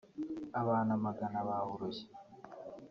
Abantu amagana bahuruye